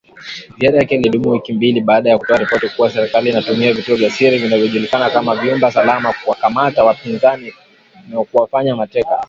Ziara yake ilidumu wiki mbili baada ya kutoa ripoti kuwa serikali inatumia vituo vya siri vinavyojulikana kama nyumba salama kuwakamata wapinzani na kuwafanya mateka.